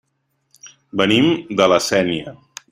Venim de La Sénia.